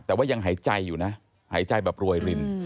แต่ว่ายังหายใจอยู่นะหายใจแบบรวยริน